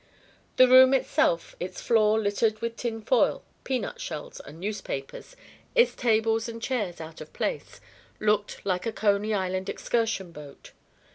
The room itself, its floor littered with tinfoil, peanut shells, and newspapers, its tables and chairs out of place, looked like a Coney Island excursion boat.